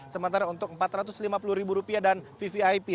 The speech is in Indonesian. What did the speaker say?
sementara untuk empat ratus lima puluh rupiah dan vvip delapan ratus lima puluh rupiah